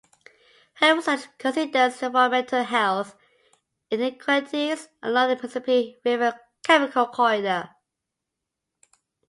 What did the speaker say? Her research considers the environmental and health inequalities along the Mississippi River Chemical Corridor.